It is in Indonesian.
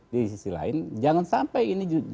di sisi lain jangan sampai ini